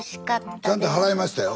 ちゃんと払いましたよ。